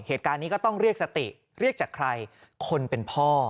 เหตุการณ์นี้ก็ต้องเรียกสติเรียกจากใครคนเป็นพ่อ